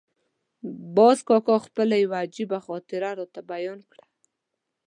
باز کاکا خپله یوه عجیبه خاطره راته بیان کړه.